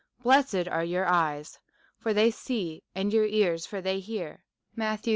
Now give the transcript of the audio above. Blessed are your eyes for they see, and your ears for they hear.